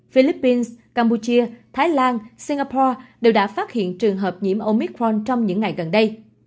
philippines cambodia thái lan singapore đều đã phát hiện trường hợp nhiễm omicron trong những ngày gần đây